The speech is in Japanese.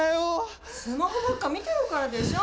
スマホばっか見てるからでしょう。